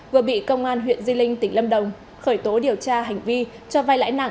vừa bị công an huyện di linh tỉnh lâm đồng khởi tố điều tra hành vi cho vai lãi nặng